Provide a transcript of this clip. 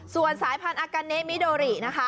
ส่วนสายพันธุ์อากาเนเมดล์หรี่นะคะ